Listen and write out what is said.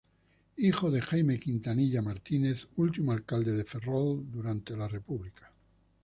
Hijo de Jaime Quintanilla Martínez, último alcalde de Ferrol durante la República.